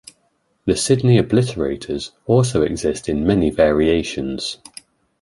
The Sydney obliterators also exist in many variations.